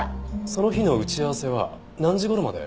その日の打ち合わせは何時頃まで。